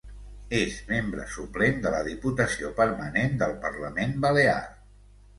És membre suplent de la Diputació Permanent del Parlament Balear.